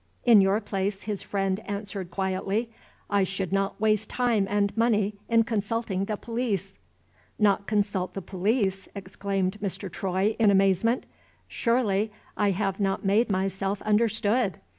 "In your place," his friend answered quietly, "I should not waste time and money in consulting the police." "Not consult the police!" exclaimed Mr. Troy in amazement. "Surely, I have not made myself understood?